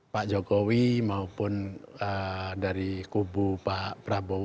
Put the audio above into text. pak jokowi maupun dari kubu pak presiden jokowi